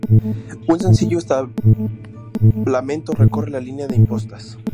Un sencillo entablamento recorre la línea de impostas.